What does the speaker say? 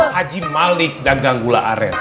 haji malik dan ganggula aren